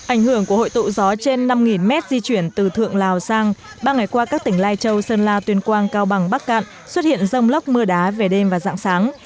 ảnh hưởng của hội tụ gió trên năm mét di chuyển từ thượng lào sang ba ngày qua các tỉnh lai châu sơn la tuyên quang cao bằng bắc cạn xuất hiện rông lóc mưa đá về đêm và dạng sáng